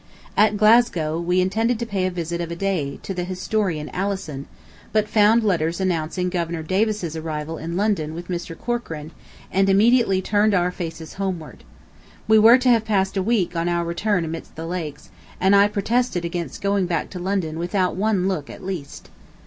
At Glasgow we intended to pay a visit of a day to the historian Alison, but found letters announcing Governor Davis's arrival in London with Mr. Corcoran and immediately turned our faces homeward. We were to have passed a week on our return amidst the lakes, and I protested against going back to London without one look at least.